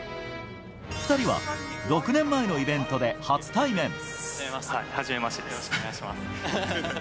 ２人は６年前のイベントで初対面。